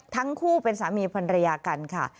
ทั้งคู่เป็นสามีพันรยากันค่ะ